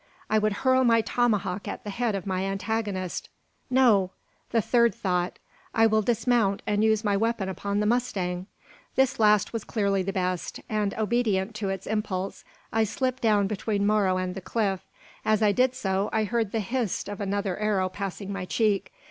I would hurl my tomahawk at the head of my antagonist. No! The third thought! I will dismount, and use my weapon upon the mustang. This last was clearly the best; and, obedient to its impulse, I slipped down between Moro and the cliff. As I did so, I heard the "hist" of another arrow passing my cheek.